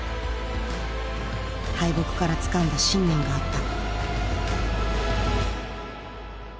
敗北からつかんだ信念があった。